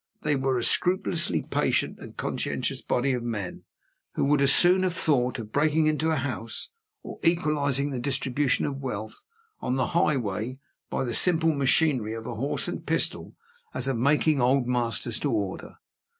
They were a scrupulously patient and conscientious body of men, who would as soon have thought of breaking into a house, or equalizing the distribution of wealth, on the highway, by the simple machinery of a horse and pistol, as of making Old Masters to order.